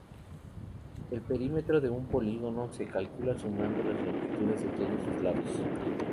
El perímetro de un polígono se calcula sumando las longitudes de todos sus lados.